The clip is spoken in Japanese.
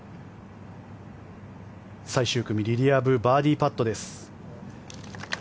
最終組、リリア・ブバーディーパットです。